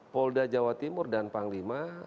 polda jawa timur dan panglima